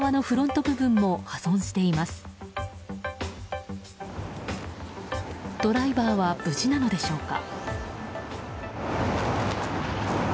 ドライバーは無事なのでしょうか。